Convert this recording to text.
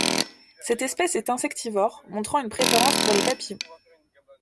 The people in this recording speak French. Cette espèce est insectivore, montrant une préférence pour les papillons.